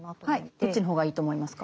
どっちの方がいいと思いますか？